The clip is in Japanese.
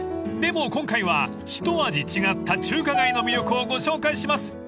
［でも今回は一味違った中華街の魅力をご紹介します］